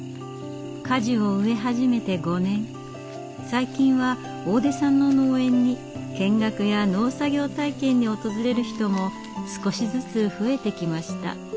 最近は大出さんの農園に見学や農作業体験に訪れる人も少しずつ増えてきました。